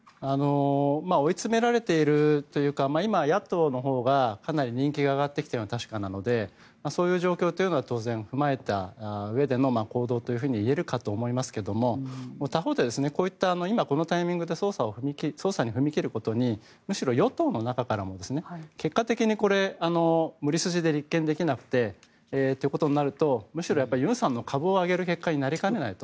追い詰められているというか今、野党のほうがかなり人気が上がってきているのは確かなのでそういう状況は当然踏まえたうえでの行動といえるかと思いますが他方で、今このタイミングで捜査に踏み切ることにむしろ与党の中からも結果的に無理筋で立件できなくてということになるとむしろユンさんの株を上げる結果になりかねないと。